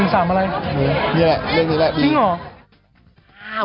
เนี่ยนี่แหละ